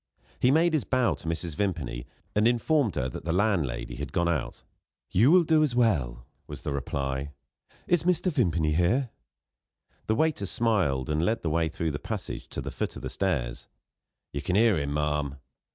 He made his bow to Mrs. Vimpany, and informed her that the landlady had gone out. "You will do as well," was the reply. "Is Mr. Vimpany here?" The waiter smiled, and led the way through the passage to the foot of the stairs. "You can hear him, ma'am."